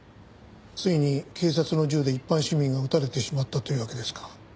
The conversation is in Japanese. ついに警察の銃で一般市民が撃たれてしまったというわけですか。